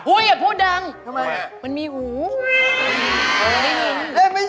โอ๊ยอย่าพูดดังทำไมมันมีหูงั้นไม่ยิน